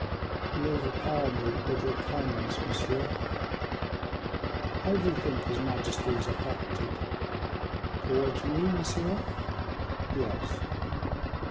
"You overpower me with your kindness, monsieur." "How do you think his majesty is affected?" "Towards me, monsieur?" "Yes."